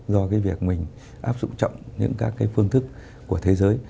do cái việc mình áp dụng trọng những các cái phương thức của thế giới